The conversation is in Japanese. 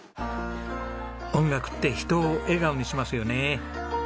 音楽って人を笑顔にしますよね。